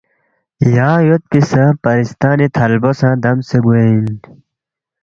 یونگ یودپی سا پرِستانی تھلبونگ سہ دمسے گوے اِن